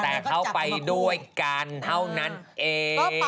แต่เขาไปด้วยกันเท่านั้นเอง